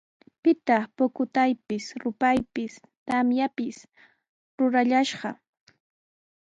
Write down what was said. ¿Pitaq pukutaypis, rupaypis, tamyatapis rurallashqa?